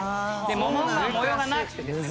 モモンガは模様がなくてですね